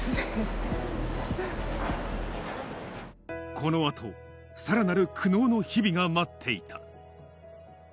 このあと、さらなる苦悩の日々が待っていた。